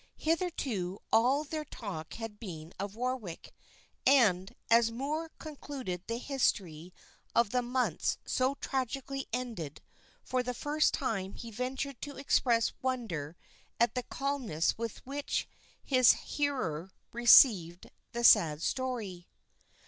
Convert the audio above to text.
Hitherto all their talk had been of Warwick, and as Moor concluded the history of the months so tragically ended, for the first time he ventured to express wonder at the calmness with which his hearer received the sad story.